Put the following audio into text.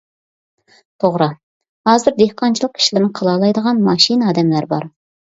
توغرا، ھازىر دېھقانچىلىق ئىشلىرىنى قىلالايدىغان ماشىنا ئادەملەر بار.